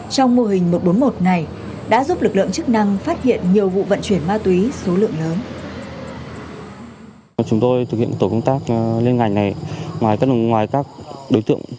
trong mô hình một trăm bốn mươi một này đã giúp lực lượng chức năng phát hiện nhiều vụ vận chuyển ma túy số lượng lớn